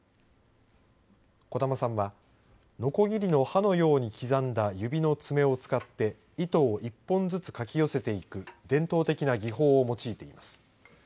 小玉さんは、のこぎりの歯のように刻んだ指の爪を使って糸を１本ずつ、かき寄せていく伝統的な技法を用いています。